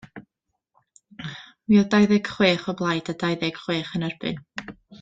Mi oedd dau ddeg chwech o blaid a dau ddeg chwech yn erbyn.